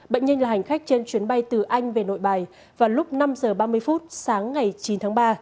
bệnh nhân là hành khách trên chuyến bay từ anh về nội bài vào lúc năm h ba mươi phút sáng ngày chín tháng ba